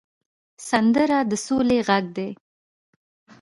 سندره د سولې غږ دی